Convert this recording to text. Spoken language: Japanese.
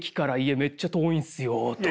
めっちゃ遠いんすよ」とか。